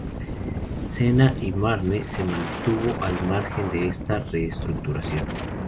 Sena y Marne se mantuvo al margen de esta reestructuración.